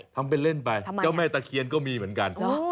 ทำเป็นเล่นไปเจ้าแม่ตะเคียนก็มีเหมือนกัน